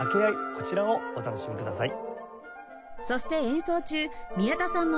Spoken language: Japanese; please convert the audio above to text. こちらをお楽しみください。